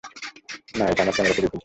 না, এটা আমার ক্যামেরা পুড়িয়ে ফেলছে।